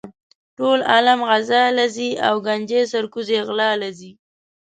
ټول عالم غزا لہ ځی او ګنجي سر کوزے غلا لہ ځی